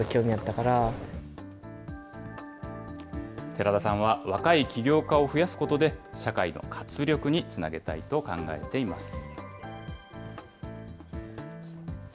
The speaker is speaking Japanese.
寺田さんは、若い起業家を増やすことで、社会の活力につなげたいと考えています。